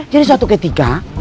jadi saat ketika